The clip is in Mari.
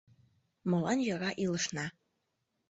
Молан йӧра илышна?